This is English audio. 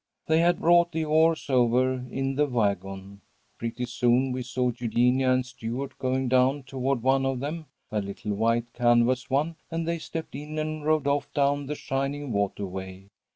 They had brought the oars over in the wagon. Pretty soon we saw Eugenia and Stuart going down toward one of them, a little white canvas one, and they stepped in and rowed off down the shining waterway.